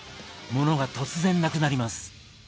モノが突然なくなります。